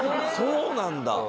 そうなんだ。